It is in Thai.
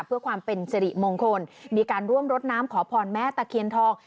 เพื่อความเป็นสิริมงคลมีการร่วมรดน้ำขอพรแม่ตะเคียนทอง